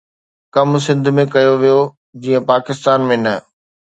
ڪم سنڌ ۾ ڪيو ويو جيئن پاڪستان ۾ نه